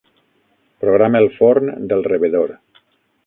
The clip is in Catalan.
Programa el forn del rebedor.